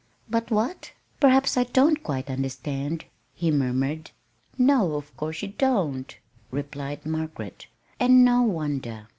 "But what perhaps I don't quite understand," he murmured. "No, of course you don't," replied Margaret; "and no wonder.